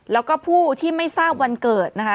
แล้วก็ผู้ที่ไม่ทราบวันเกิดนะคะ